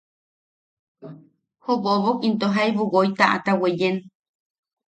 Ju Bobok into jaibu woi taʼata weyen.